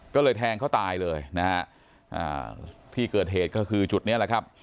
ก็เลยแทงเขาตายเลยนะฮะอ่าที่เกิดเหตุก็คือจุดนี้แหละครับ